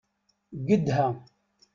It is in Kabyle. Gedha.